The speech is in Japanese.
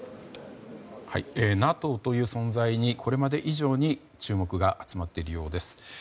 ＮＡＴＯという存在にこれまで以上に注目が集まっているようです。